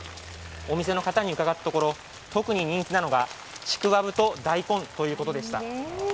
お店の方に伺ったところ、特に人気なのが、ちくわぶと大根ということでした。